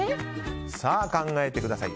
さあ、考えてください。